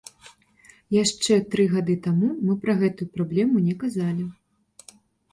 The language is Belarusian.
Яшчэ тры гады таму мы пра гэтую праблему не казалі.